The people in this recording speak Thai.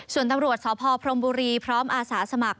ส่วนตำรวจสพพรมบุรีพร้อมอาสาสมัคร